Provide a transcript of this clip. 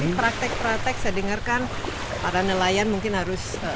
praktek praktek saya dengarkan para nelayan mungkin harus